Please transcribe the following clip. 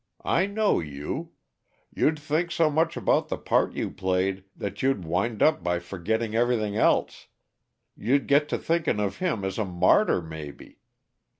I know you! You'd think so much about the part you played that you'd wind up by forgetting everything else. You'd get to thinking of him as a martyr, maybe!